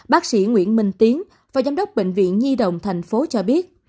bác sĩ nguyễn minh tiến và giám đốc bệnh viện nhi đồng thành phố cho biết